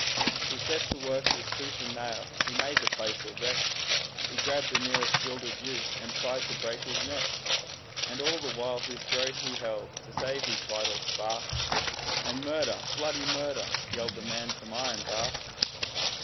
He set to work with tooth and nail, he made the place a wreck; He grabbed the nearest gilded youth, and tried to break his neck. And all the while his throat he held to save his vital spark, And 'Murder! Bloody Murder!' yelled the man from Ironbark.